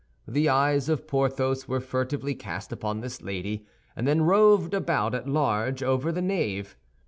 The eyes of Porthos were furtively cast upon this lady, and then roved about at large over the nave.